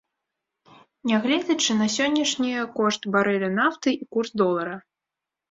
Нягледзячы на сённяшнія кошт барэля нафты і курс долара.